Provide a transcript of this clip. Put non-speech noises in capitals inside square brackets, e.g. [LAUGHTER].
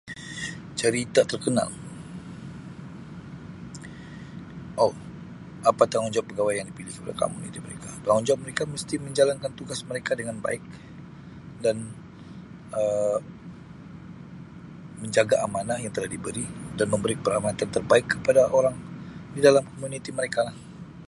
Cerita terkenal oh apa tanggungjawab pegawai yang di pilih [UNINTELLIGIBLE] tanggungjawab mereka mesti menjalankan tugas mereka dengan baik dan Um menjaga amanah yang telah diberi dan memberi peramatan terbaik kepada orang di dalam komuniti mereka lah.